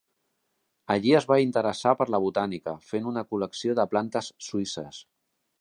Allí es va interessar per la botànica fent una col·lecció de plantes suïsses.